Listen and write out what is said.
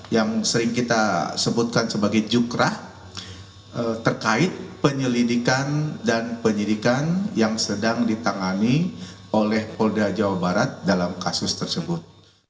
yang sering kita sebutkan sebagai jukrah terkait penyelidikan dan penyidikan yang sedang ditangani oleh polda jawa barat dalam kasus tersebut